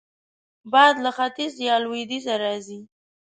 باد له ختیځ یا لوېدیځه راځي